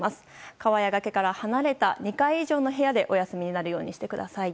川や崖から離れた２階以上の部屋でお休みになるようにしてください。